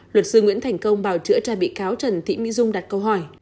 luật sư nguyễn thành công bào chữa tra bị cáo trần thị mỹ dung đặt câu hỏi